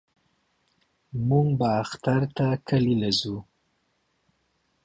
موږ به اختر ته کلي له زو.